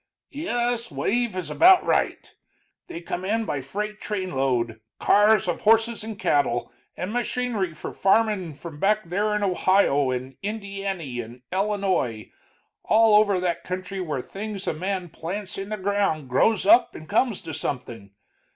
"Yes, wave is about right. They come in by freight trainload, cars of horses and cattle, and machinery for farmin', from back there in Ohio and Indiany and Ellinoi all over that country where things a man plants in the ground grows up and comes to something.